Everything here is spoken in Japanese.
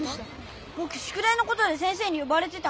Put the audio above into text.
ぼくしゅくだいのことで先生によばれてた。